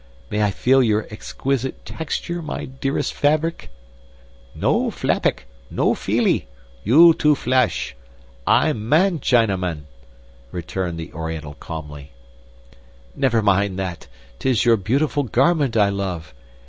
May I feel your exquisite texture, my dearest Fabric?" "No flabic. No feelee. You too flesh. I man Chinaman!" returned the Oriental calmly. "Never mind that! 'Tis your beautiful garment I love.